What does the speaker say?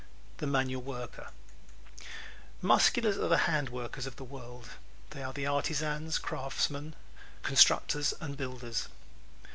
The Manual Worker ¶ Musculars are the hand workers of the world. They are the artisans, craftsmen, the constructors and builders.